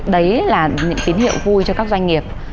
đấy là những tín hiệu vui cho các doanh nghiệp